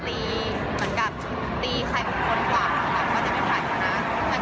เหมือนกับตีใครบุคคลกว่ามันก็จะเป็นภัยขึ้นนะ